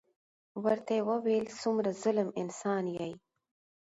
ورته يې وويل څومره ظلم انسان يې.